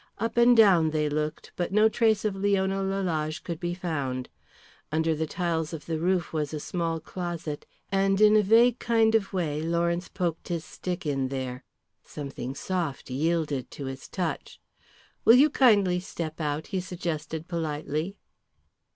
Up and down they looked, but no trace of Leona Lalage could be found. Under the tiles of the roof was a small closet, and in a vague kind of way Lawrence poked his stick in there. Something soft yielded to his touch. "Will you kindly step out?" he suggested politely.